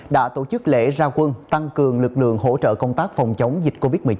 đã tổ chức lễ ra quân tăng cường lực lượng hỗ trợ công tác phòng chống dịch covid một mươi chín